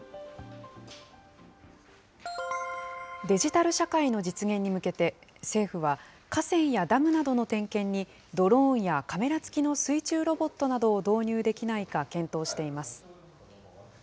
デジタル社会の実現に向けて、政府は、河川やダムなどの点検に、ドローンやカメラ付きの水中ロボットなどを導入できないか検討しています。